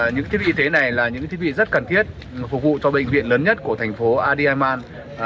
những thiết bị y tế này là những thiết bị rất cần thiết phục vụ cho bệnh viện lớn nhất của thành phố adiman